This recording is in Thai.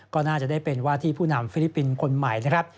ก็น่าจะได้เป็นว่าที่ผู้นำฟิลิปปินส์คนใหม่นะครับ